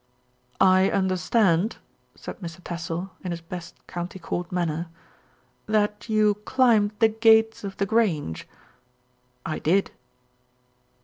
"I understand," said Mr. Tassell in his best county court manner, "that you climbed the gates of The Grange." "I did."